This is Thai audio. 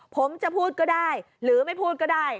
ผมจะพูดก็ได้หรือไม่พูดก็ได้